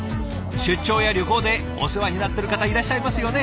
出張や旅行でお世話になってる方いらっしゃいますよね？